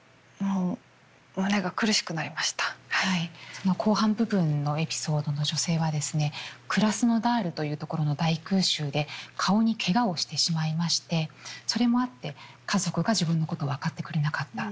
その後半部分のエピソードの女性はですねクラスノダールという所の大空襲で顔にけがをしてしまいましてそれもあって家族が自分のことを分かってくれなかった。